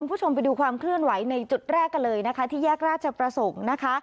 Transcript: คุณผู้ชมไปดูความเคลื่อนไหวในจุดแรกกันเลยนะคะที่แยกราชประสงค์นะคะ